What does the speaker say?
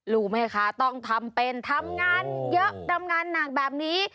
รู้ไหมคะต้องทำเป็นทำงานเยอะทำงานหนักแบบนี้